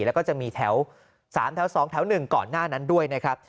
แล้วก็จะมีแถว๓แถว๒แถว๑ก่อนหน้านั้นด้วยนะครับ